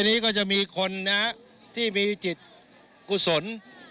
อันนี้ก็จะมีคนนะที่มีจิตกุศล